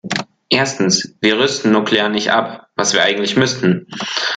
Erstens, wir rüsten nuklear nicht ab, was wir eigentlich müssten.